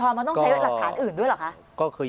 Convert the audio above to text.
อันดับที่สุดท้าย